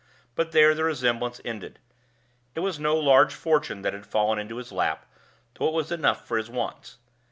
But there the resemblance ended. It was no large fortune that had fallen into his lap, though it was enough for his wants.